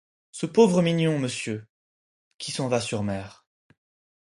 Ce pauvre mignon, monsieur, qui s’en va sur mer.